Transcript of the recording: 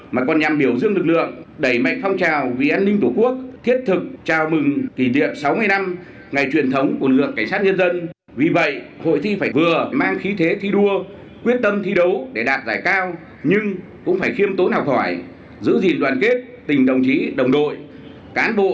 mà còn nhằm biểu dương lực lượng để mạnh phong trào thi đua vì an ninh tổ quốc